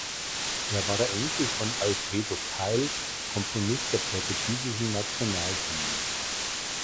Er war der Enkel von Alfredo Keil, Komponist der portugiesischen Nationalhymne.